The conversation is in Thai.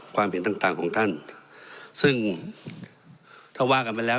ความเห็นต่างต่างของท่านซึ่งถ้าว่ากันไปแล้ว